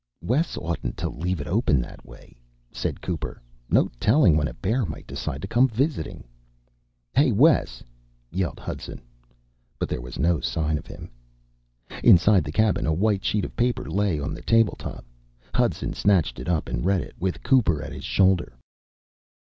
"Wes oughtn't to leave it open that way," said Cooper. "No telling when a bear might decide to come visiting." "Hey, Wes!" yelled Hudson. But there was no sign of him. Inside the cabin, a white sheet of paper lay on the table top. Hudson snatched it up and read it, with Cooper at his shoulder.